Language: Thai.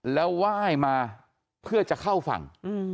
แล้วไหว้มาเพื่อจะเข้าฝั่ง